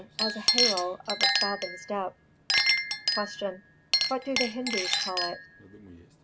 As a halo of a fathom's depth. 343. Q. _What do the Hindus call it?